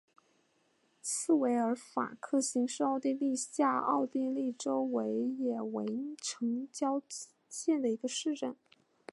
茨韦尔法克兴是奥地利下奥地利州维也纳城郊县的一个市镇。